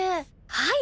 はい。